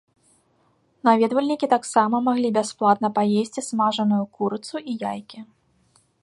Наведвальнікі таксама маглі бясплатна паесці смажаную курыцу і яйкі.